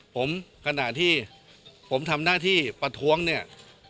ผมขณะที่ผมทำหน้าที่ประท้วงเนี่ย